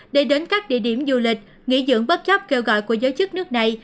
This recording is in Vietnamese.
để đến các địa điểm du lịch nghỉ dưỡng bất chấp kêu gọi của giới chức nước này